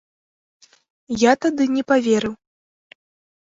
Я тады не паверыў.